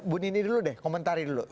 bu nini dulu deh komentari dulu